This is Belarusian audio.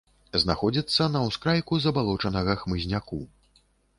Знаходзіцца на ўскрайку забалочанага хмызняку.